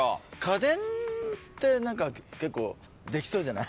家電って結構できそうじゃない？